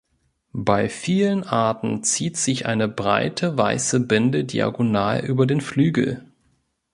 Bei vielen Arten zieht sich eine breite, weiße Binde diagonal über den Flügel.